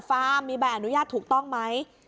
ฟาร์มมีใบอนุญาตถูกต้องไหม